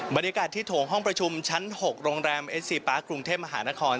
บรรยากาศที่โถงห้องประชุมชั้น๖โรงแรมเอสซีปาร์คกรุงเทพมหานคร